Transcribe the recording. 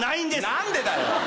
何でだよ？